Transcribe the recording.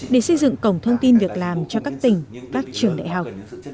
để xây dựng cổng thông tin việc làm cho các tỉnh các trường đại học